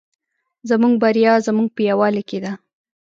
زموږ بریا زموږ په یوالي کې ده